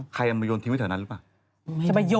ใครจะมาโยนทิ้งไว้เถอะนั้นหรือเปล่า